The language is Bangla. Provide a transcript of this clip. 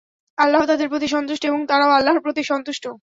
আল্লাহ তাদের প্রতি সন্তুষ্ট এবং তারাও আল্লাহর প্রতি সন্তুষ্ট।